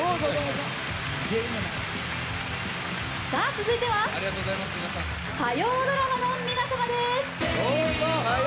続いては、火曜ドラマの皆様です！